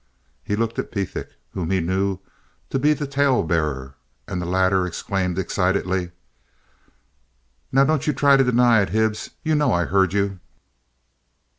He looked at Pethick, whom he knew to be the tale bearer, and the latter exclaimed, excitedly: "Now don't you try to deny it, Hibbs. You know I heard you?"